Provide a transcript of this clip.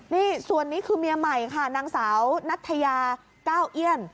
นี่ส่วนนี้คือเมียใหม่ค่ะนางสาวนัทยาเก้าเอี้ยน